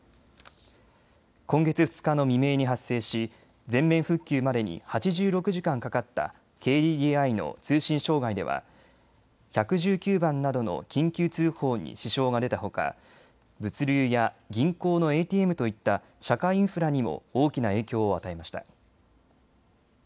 今月２日の未明に発生し全面復旧までに８６時間かかったＫＤＤＩの通信障害では１１９番などの緊急通報に支障が出たほか物流や銀行のＡＴＭといった社会インフラにも大きな影響を与えました。